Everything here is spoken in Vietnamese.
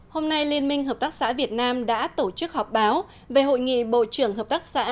hôm nay liên minh hợp tác xã việt nam đã tổ chức họp báo về hội nghị bộ trưởng hợp tác xã